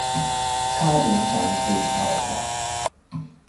差點上斷頭臺